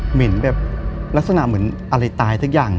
เหมือนแบบลักษณะเหมือนอะไรตายสักอย่าง